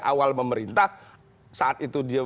awal memerintah saat itu dia